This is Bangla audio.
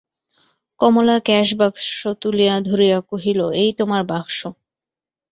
কমলা ক্যাশবাক্স তুলিয়া ধরিয়া কহিল, এই তোমার বাক্স।